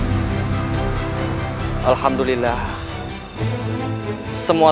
juga sudah membuat perjalanan ke tempat yang lebih baik dan lebih baik dari yang saya lakukan